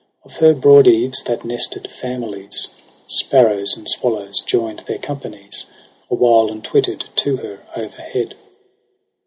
Of her broad eaves the nested famUies, Sparrows and swallows, join'd their companies Awhile and twitter'd to her overhead.